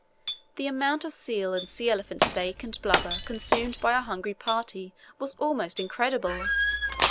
The amount of seal and sea elephant steak and blubber consumed by our hungry party was almost incredible.